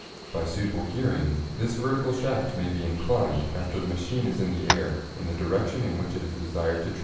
By suitable gearing this vertical shaft may be inclined after the machine is in the air in the direction in which it is desired to travel.